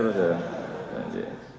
udah enam ya